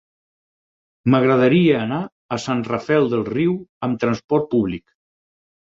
M'agradaria anar a Sant Rafel del Riu amb transport públic.